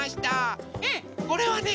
これはね